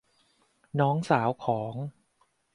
น้องสาวของ